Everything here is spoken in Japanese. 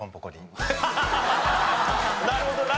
なるほどな。